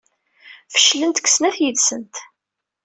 Feclent deg snat yid-sent.